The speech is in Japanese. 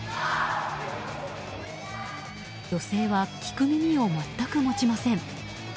女性は聞く耳を全く持ちません。